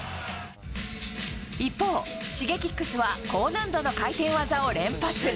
一方、Ｓｈｉｇｅｋｉｘは高難度の回転技を連発。